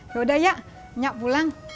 yaudah nya pulang